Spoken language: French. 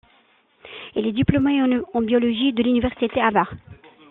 Il est diplômé en biologie de l'université Harvard.